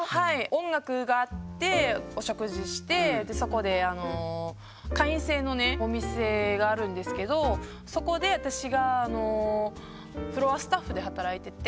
音楽があってお食事してそこで会員制のお店があるんですけどそこで私があそうなんだ。